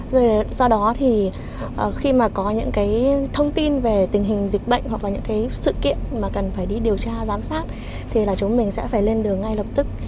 do đó thì khi mà có những cái thông tin về tình hình dịch bệnh hoặc là những cái sự kiện mà cần phải đi điều tra giám sát thì là chúng mình sẽ phải lên đường ngay lập tức